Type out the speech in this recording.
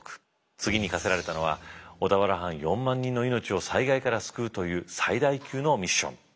次に課せられたのは小田原藩４万人の命を災害から救うという最大級のミッション。